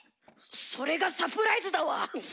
それがサプライズだわ。